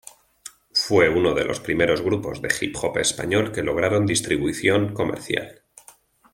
Fue uno de los primeros grupos de hip hop español que lograron distribución comercial.